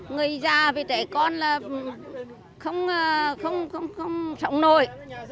người già và trẻ con là không sống nổi